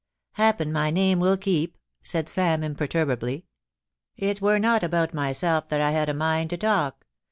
* Happen my name will keep,' said Sam, imperturbably. It were not about myself that I had a mind to talk.